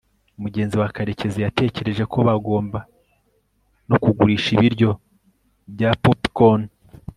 mugenzi wa karekezi yatekereje ko bagomba no kugurisha ibiryo bya popcorn